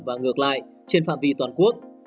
và ngược lại trên phạm vi toàn quốc